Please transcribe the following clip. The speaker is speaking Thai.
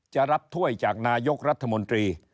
จะรับถ้วยจากนายกรัฐมนตรี